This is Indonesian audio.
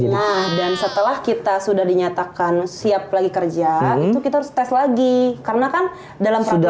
nah dan setelah kita sudah dinyatakan siap lagi kerja itu kita harus tes lagi karena kan dalam perjalanan